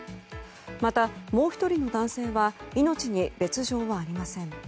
また、もう１人の男性は命に別条はありません。